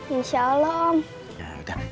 insya allah om